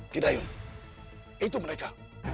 gidayun itu mereka